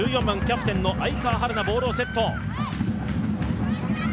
１４番、キャプテン愛川陽菜、ボールをセット。